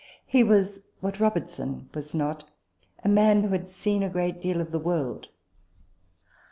He was (what Robertson was not) a man who had seen a great deal of the world.